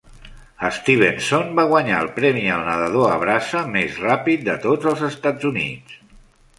Stevenson va guanyar el premi al nadador a braça més ràpid de tots els Estats Units.